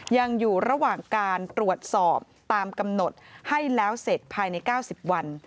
ยังอยู่ระหว่างการตรวจสอบตามกำหนดให้แล้วเสร็จภายใน๙๐วัน